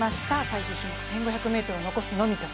最終種目１５００ｍを残すのみと。